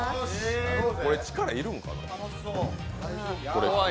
これ力いるんか？